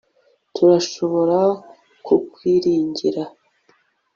Turashobora kukwiringira